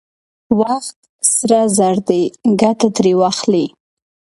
وخت سره زر دی، ګټه ترې واخلئ!